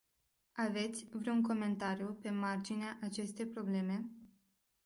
Aveți vreun comentariu pe marginea acestei probleme?